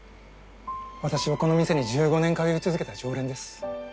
私はこの店に１５年通い続けた常連です。